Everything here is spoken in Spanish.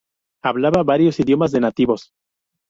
Hablaba varios idiomas de nativos.